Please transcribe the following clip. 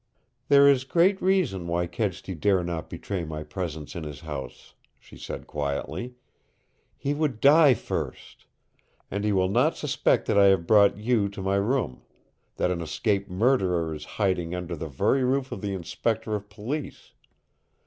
"There is great reason why Kedsty dare not betray my presence in his house," she said quietly. "He would die first! And he will not suspect that I have brought you to my room, that an escaped murderer is hiding under the very roof of the Inspector of Police!